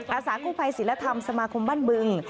อาสากู้ภัยศิลธรรมสมาคมบ้านบึง